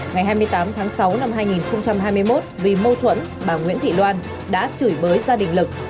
ngày hai mươi tám tháng sáu năm hai nghìn hai mươi một vì mâu thuẫn bà nguyễn thị loan đã chửi bới gia đình lực